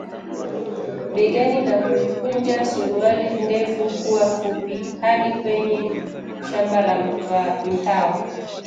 begani na kukunja suruali ndefu kuwa fupi, hadi kwenye Shamba la mtawa